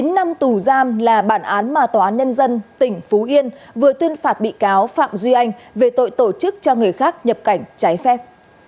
chín năm tù giam là bản án mà tòa án nhân dân tỉnh phú yên vừa tuyên phạt bị cáo phạm duy anh về tội tổ chức cho người khác nhập cảnh trái phép